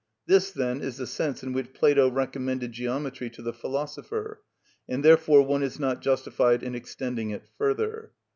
This, then, is the sense in which Plato recommended geometry to the philosopher; and therefore one is not justified in extending it further.